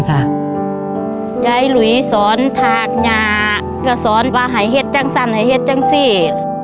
เอียดจังสั่นเอียดจังสี